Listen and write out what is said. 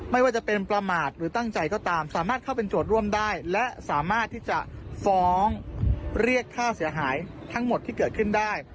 ไม่ว่าจะเป็นประมาทหรือตั้งใจก็ตามสามารถเข้าเป็นโจทย์ร่วมได้และสามารถที่จะฟ้องเรียกค่าเสียหายทั้งหมดที่เกิดขึ้นได้